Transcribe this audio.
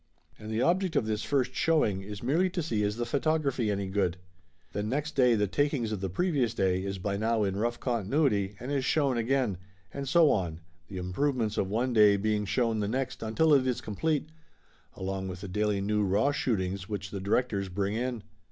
And the object of this first showing is merely to see is the photography any good. Then next day the takings of the previous day is by now in rough continuity, and is shown again, and so on, the improvements of one day being shown the next until it is complete, along with the daily new raw shoot ings which the directors bring in.